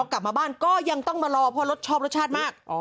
กลับมาบ้านก็ยังต้องมารอเพราะรสชอบรสชาติมาก